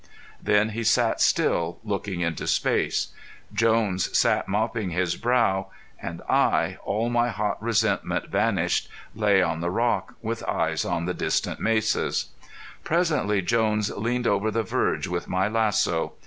Then he sat still, looking into space. Jones sat mopping his brow. And I, all my hot resentment vanished, lay on the rock, with eyes on the distant mesas. Presently Jones leaned over the verge with my lasso.